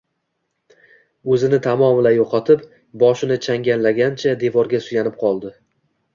O`zini tamomila yo`qotib, boshini changallagancha devorga suyanib qoldi